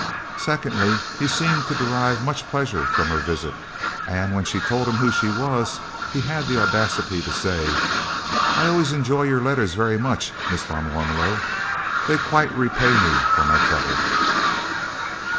Secondly, he seemed to derive much pleasure from her visit and, when she told him who she was, had the audacity to say: "I always enjoy your letters very much, Miss van Warmelo; they quite repay me for my trouble!"